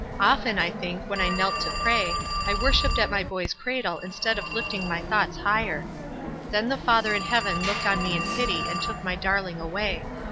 Often, I think, when I knelt to pray, I wor shiped at my bo} r 's cradle instead of lifting my thoughts higher. Then the Father in heaven looked on me in pity and took my darling away.